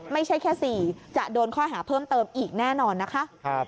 ไม่ใช่แค่๔จะโดนข้อหาเพิ่มเติมอีกแน่นอนนะคะ